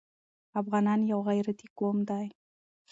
افغانان يو غيرتي قوم دی.